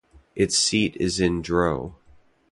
Its seat is in Dreux.